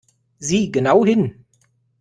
Sieh genau hin!